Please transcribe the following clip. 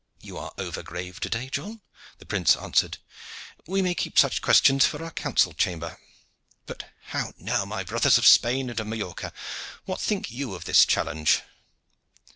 "You are over grave to day, John," the prince answered. "We may keep such questions for our council chamber. But how now, my brothers of Spain, and of Majorca, what think you of this challenge?"